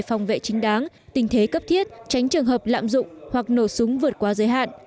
phòng vệ chính đáng tình thế cấp thiết tránh trường hợp lạm dụng hoặc nổ súng vượt qua giới hạn